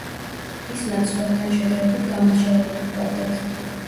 ის მათ სხვებთან შედარებით გამორჩეულად უყვარდათ.